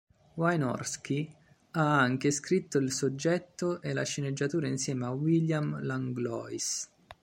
Wynorski ha anche scritto il soggetto e la sceneggiatura insieme a William Langlois.